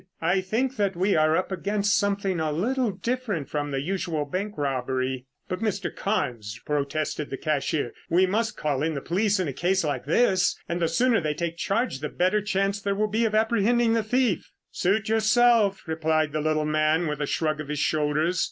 "I think that we are up against something a little different from the usual bank robbery." "But, Mr. Carnes," protested the cashier, "we must call in the police in a case like this, and the sooner they take charge the better chance there will be of apprehending the thief." "Suit yourself," replied the little man with a shrug of his shoulders.